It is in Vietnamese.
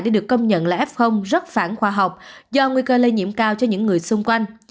để được công nhận là f rất phản khoa học do nguy cơ lây nhiễm cao cho những người xung quanh